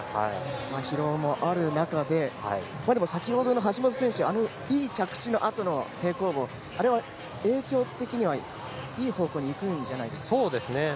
疲労もある中で先ほどの橋本選手あのいい着地のあとの平行棒あれは影響的には、いい方向に行くんじゃないですか。